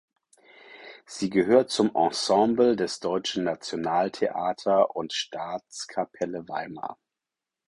Sie gehört zum Ensemble des Deutsches Nationaltheater und Staatskapelle Weimar.